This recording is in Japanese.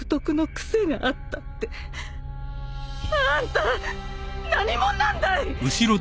あんた何者なんだい！